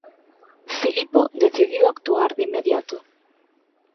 Filipo decidiu actuar de inmediato.